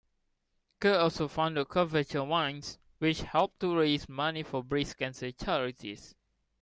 Kerr also founded Curvature Wines, which helps to raise money for breast cancer charities.